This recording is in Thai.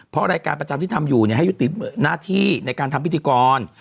เพราะรายการประจำที่ทำอยู่ให้ยุติหน้าที่ในการทำพิธีกร